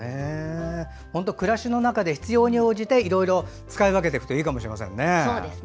本当に暮らしの中で必要に応じていろいろ使い分けるといいかもしれませんね。